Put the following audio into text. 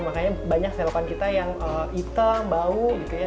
makanya banyak selokan kita yang hitam bau gitu ya